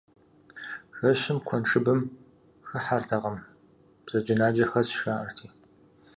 Жэщым куэншыбым хыхьэртэкъым, бзаджэнаджэ хэсщ, жаӏэрти.